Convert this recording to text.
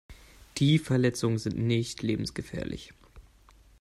Die Verletzungen sind nicht lebensgefährlich.